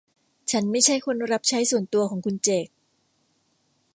ฉันไม่ใช่คนรับใช้ส่วนตัวของคุณเจค